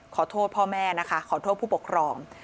ขอโทษพ่อแม่นะคะขอโทษผู้ปกครอง